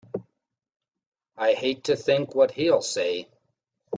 I hate to think what he'll say!